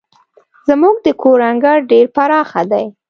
زموږ د کور انګړ ډير پراخه دی.